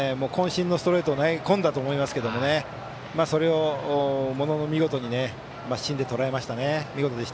身のストレートを投げ込んだと思いますがそれをものの見事に真芯でとらえましたね。